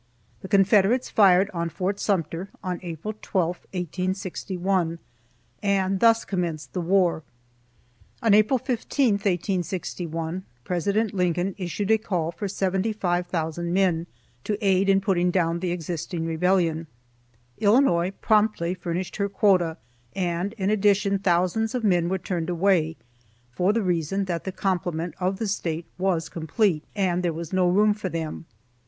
The Confederates fired on Fort Sumter on April 12, 1861, and thus commenced the war. On April 15, 1861, President Lincoln issued a call for 75,000 men, to aid in putting down the existing rebellion. Illinois promptly furnished her quota, and in addition, thousands of men were turned away, for the reason that the complement of the State was complete, and there was no room for them.